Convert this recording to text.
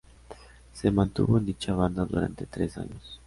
Se mantuvo en dicha banda durante tres años.